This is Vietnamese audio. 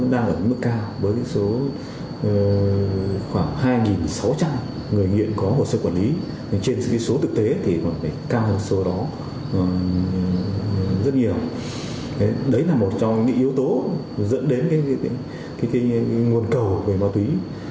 đấy là một trong những yếu tố dẫn đến nguồn cầu về ma túy